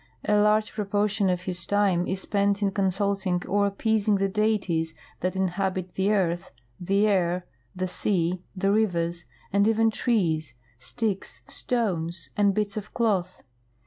A large proportion of his time is spent in con sulting or ajjpeasing the deities that inhabit the earth, the air^ the sea, the rivers, and even trees, sticks, stones, and bits of cloth.